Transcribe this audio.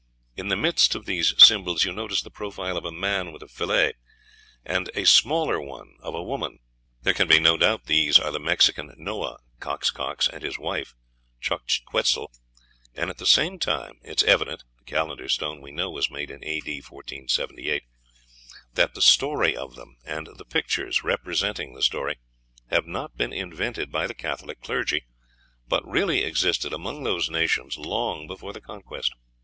In the midst of these symbols you notice the profile of a man with a fillet, and a smaller one of a woman. There can be no doubt these are the Mexican Noah, Coxcox, and his wife, Xochiquetzal; and at the same time it is evident (the Calendar stone, we know, was made in A.D., 1478) that the story of them, and the pictures representing the story, have not been invented by the Catholic clergy, but really existed among these nations long before the Conquest."